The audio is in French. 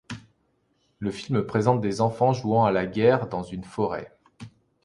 Le film présente des enfants jouant à la guerre dans une forêt.